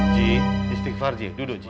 ji istighfar ji duduk ji